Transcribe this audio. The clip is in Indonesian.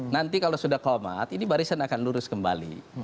nanti kalau sudah komat ini barisan akan lurus kembali